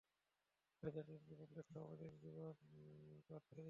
তাই তাঁদের জীবনালেখ্য আমাদের জীবন পাথেয়।